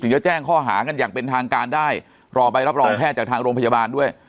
จะแจ้งข้อหากันอย่างเป็นทางการได้รอใบรับรองแพทย์จากทางโรงพยาบาลด้วย